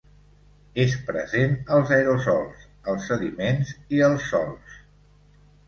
És present als aerosols, els sediments i els sòls.